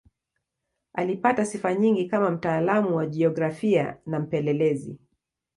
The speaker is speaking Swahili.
Alipata sifa nyingi kama mtaalamu wa jiografia na mpelelezi.